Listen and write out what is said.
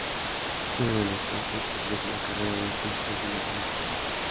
Es uno de los campus que ofrece la carrera de Ciencias de la Comunicación.